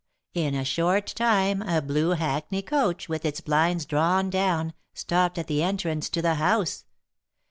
in a short time a blue hackney coach, with its blinds drawn down, stopped at the entrance to the house.